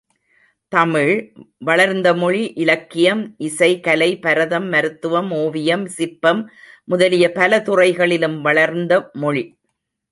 தமிழ், வளர்ந்தமொழி, இலக்கியம், இசை, கலை, பரதம், மருத்துவம், ஒவியம், சிற்பம் முதலிய பல துறைகளிலும் வளர்ந்த மொழி.